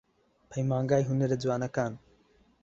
پەیمانگەی هونەرە جوانەکان